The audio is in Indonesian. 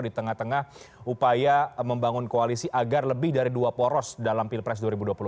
yang menganggap upaya membangun koalisi agar lebih dari dua poros dalam pilpres dua ribu dua puluh empat